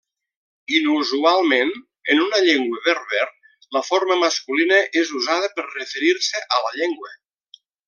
Inusualment en una llengua berber, la forma masculina és usada per referir-se a la llengua.